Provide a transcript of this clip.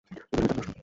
অতি লোভে তাঁতি নষ্ট।